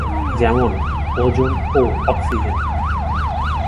যেমনঃ- ওজোন ও অক্সিজেন।